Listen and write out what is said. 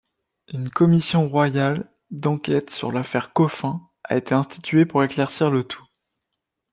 Une Commission royale d'enquête sur l'affaire Coffin a été instituée pour éclaircir le tout.